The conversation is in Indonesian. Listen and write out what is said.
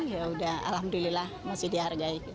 yaudah alhamdulillah masih dihargai